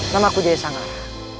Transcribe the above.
namaku jaya sangara